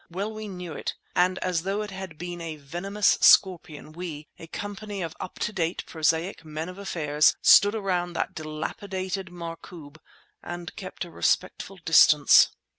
Well we knew it, and as though it had been a venomous scorpion we, a company of up to date, prosaic men of affairs, stood around that dilapidated markoob, and kept a respectful distance.